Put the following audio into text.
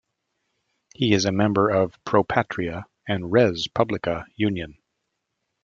He is a member of Pro Patria and Res Publica Union.